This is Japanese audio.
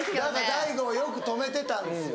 大悟はよくとめてたんですよ